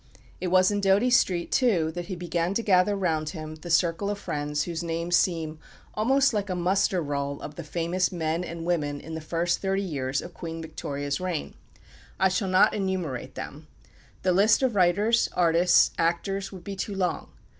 It was in Doughty Street, too, that he began to gather round him the circle of friends whose names seem almost like a muster roll of the famous men and women in the first thirty years of Queen Victoria's reign. I shall not enumerate them. The list of writers, artists, actors, would be too long.